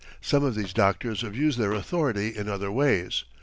Some of these doctors abuse their authority in other ways.